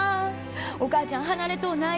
お母ちゃん離れとうない。